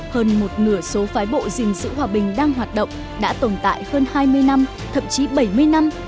hơn một nửa số phái bộ gìn giữ hòa bình đang hoạt động đã tồn tại hơn hai mươi năm thậm chí bảy mươi năm